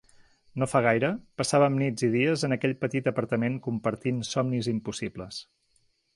No fa gaire, passàvem nits i dies en aquell petit apartament compartint somnis impossibles.